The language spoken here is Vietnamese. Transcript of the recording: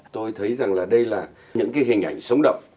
tôi thấy rằng là đây là những cái hình ảnh sống động